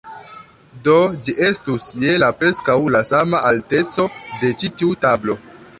Do, ĝi estus je la preskaŭ la sama alteco de ĉi tiu tablo